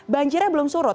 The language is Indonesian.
banjirnya belum surut